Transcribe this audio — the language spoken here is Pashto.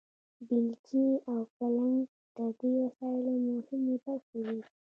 بیلچې او کلنګ د دې وسایلو مهمې برخې وې.